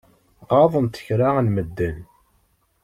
Ɣaḍent kra n medden.